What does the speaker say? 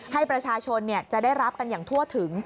ให้ประชาชนจะได้รับกันอย่างทั่วถึง